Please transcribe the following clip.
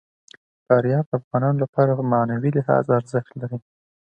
فاریاب د افغانانو لپاره په معنوي لحاظ ارزښت لري.